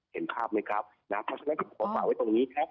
เห็นภาพไหมครับความสับสนที่ผมขอฝากไว้ตรงนี้